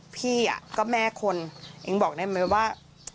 พี่ก็แม่คนอิ๊งบอกได้ไหมว่า